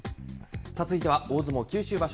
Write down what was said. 続いては大相撲九州場所